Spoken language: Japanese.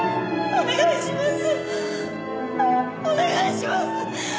お願いします！